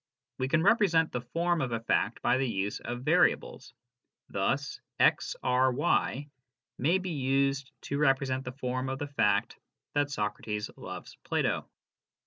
We can represent the form of a fact by the use of variables : thus "xRy" may be used to represent the form of the fact that Socrates loves Plato.